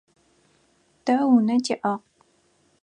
Тэ унэ тиӏагъ.